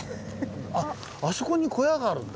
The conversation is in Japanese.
あっあそこに小屋があるんだ。